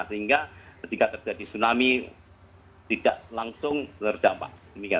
sehingga ketika terjadi tsunami tidak langsung terdampak